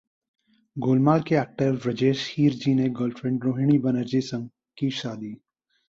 'गोलमाल' के एक्टर व्रजेश हीरजी ने गर्लफ्रेंड रोहिणी बनर्जी संग की शादी